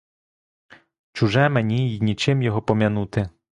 Чуже мені й нічим його пом'янути.